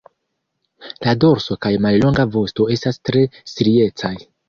La dorso kaj mallonga vosto estas tre striecaj.